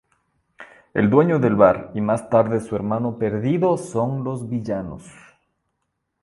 El dueño del bar y más tarde su hermano perdido son los villanos.